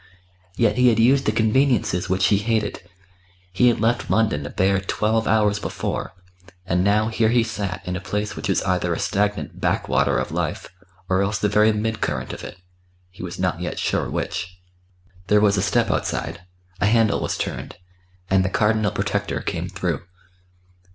Yet he had used the conveniences which he hated; he had left London a bare twelve hours before, and now here he sat in a place which was either a stagnant backwater of life, or else the very mid current of it; he was not yet sure which. There was a step outside, a handle was turned; and the Cardinal Protector came through.